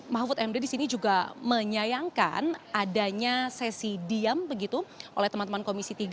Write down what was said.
mahfud md di sini juga menyayangkan adanya sesi diam begitu oleh teman teman komisi tiga